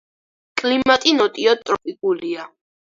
კლიმატი ნოტიო ტროპიკულია.